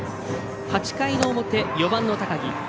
８回の表４番の高木。